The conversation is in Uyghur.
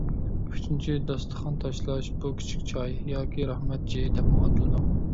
ئۈچىنچى، داستىخان تاشلاش. بۇ «كىچىك چاي» ياكى «رەھمەت چېيى» دەپمۇ ئاتىلىدۇ.